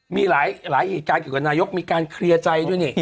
มีหลายเหตุการณ์เกี่ยวกับนายกมีการเคลียร์ใจด้วยนี่